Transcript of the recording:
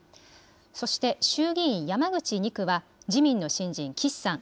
そして衆議院山口２区は自民の新人、岸さん。